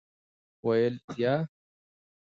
ویل : یا .